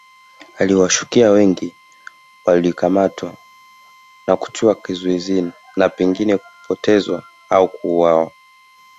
Aliwashukia wengi walikamatwa na kutiwa kizuizini na pengine kupotezwa au kuuawa